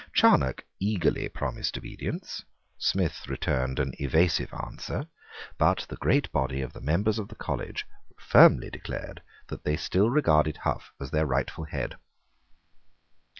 Charneck eagerly promised obedience; Smith returned an evasive answer: but the great body of the members of the college firmly declared that they still regarded Hough as their rightful head.